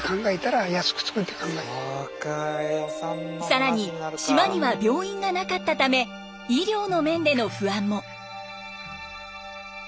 更に島には病院がなかったため医療の面での不安も。